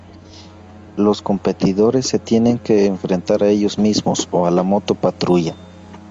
Los competidores se tienen que enfrentar a ellos mismos o a la moto patrulla.